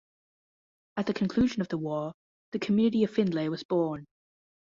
At the conclusion of the war, the community of Findlay was born.